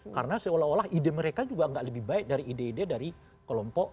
karena seolah olah ide mereka juga gak lebih baik dari ide ide dari kelompok